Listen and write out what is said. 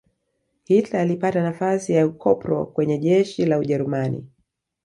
hitler alipata nafasi ya ukopro kwenye jeshi la ujerumani